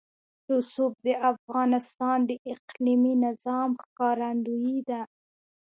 رسوب د افغانستان د اقلیمي نظام ښکارندوی ده.